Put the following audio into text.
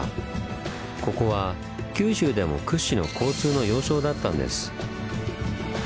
ここは九州でも屈指の交通の要衝だったんです。